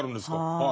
はい。